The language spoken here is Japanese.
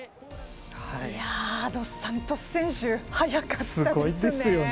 ドスサントス選手速かったですね。